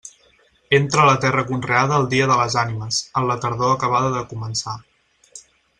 Entra a la terra conreada el dia de les Ànimes, en la tardor acabada de començar.